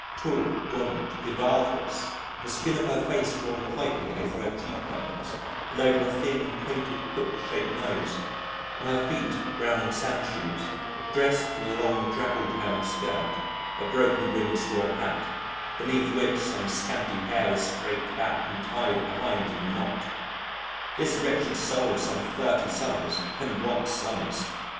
Tall, gaunt, cadaverous, the skin of her face drawn tightly over her cheekbones and over a thin, pointed, hook shaped nose, on her feet brown sandshoes, dressed in a long draggle tailed skirt, a broken brimmed straw hat, beneath which some scanty hair was scraped back and tied behind in a knot this wretched soul of some thirty summers (and what summers!)